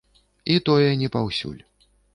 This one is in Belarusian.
І тое не паўсюль.